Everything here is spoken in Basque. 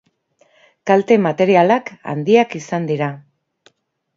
Kalte materialak handiak izan dira.